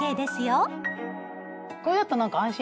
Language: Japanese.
これだとなんか安心。